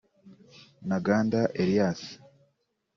Ntaganda Elias